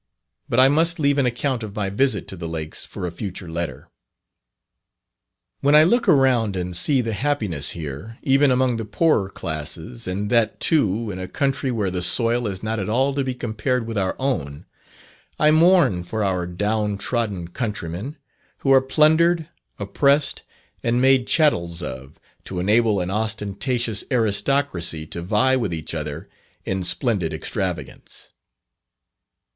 But I must leave an account of my visit to the Lakes for a future letter. When I look around and see the happiness here, even among the poorer classes, and that too in a country where the soil is not at all to be compared with our own, I mourn for our down trodden countrymen, who are plundered, oppressed, and made chattels of, to enable an ostentatious aristocracy to vie with each other in splendid extravagance.